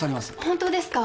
本当ですか？